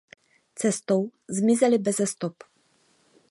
Cestou zmizeli beze stop.